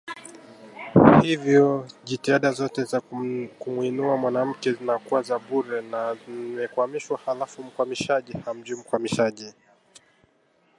Hivyo jitihada zote za kumuinua mwanamke zinakuwa za bure na zinakwamishwa halafu mkwamishwaji hamjui mkwamishaji